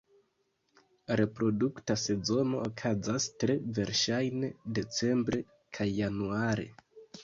Reprodukta sezono okazas tre verŝajne decembre kaj januare.